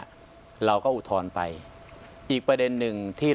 อันดับที่สุดท้าย